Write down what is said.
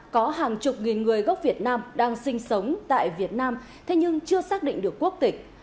có hàng chục nghìn người gốc việt nam đang sinh sống tại việt nam thế nhưng chưa xác định được quốc tịch